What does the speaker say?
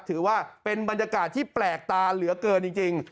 ถือว่าเป็นบรรยากาศที่แปลกตาเหลือเกินจริง